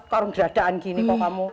karung dadaan gini kok kamu